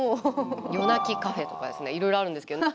夜泣きカフェとかいろいろあるんですけど。